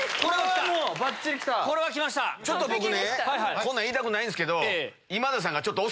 こんなん言いたくないんすけど。